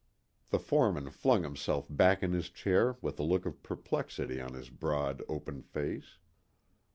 The foreman flung himself back in his chair with a look of perplexity on his broad, open face.